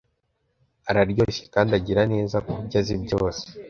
Araryoshye kandi agira neza kubyo azi byose